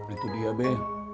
itu dia be